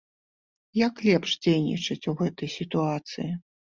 Як лепш дзейнічаць у гэтай сітуацыі?